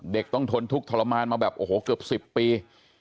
เด็กต้องทนทุกข์ทรมานมาแบบเกือบ๑๐ปี